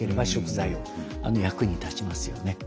役に立ちますよね。